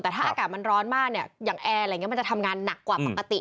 แต่ถ้าอากาศมันร้อนมากอย่างแอร์มันจะทำงานหนักกว่าปกติ